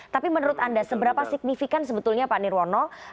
tapi menurut anda seberapa signifikan sebetulnya pak nirwono